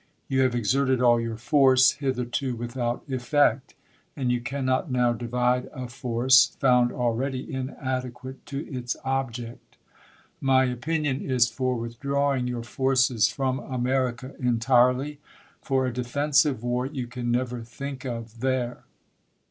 You have exerted all your force hitherto without effect, and you cannot now divide a f©rce, found alrssady inadequate to it s ©bject. THE COLUMBIAN ORATOR. 173 My opinion is for withdi awing your forces from America entirely ; for a defensive war you can never think of there.